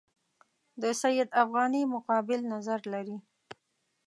د سید افغاني مقابل نظر لري.